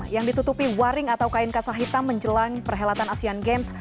yang ditutupi waring atau kain kasah hitam menjelang perhelatan asean games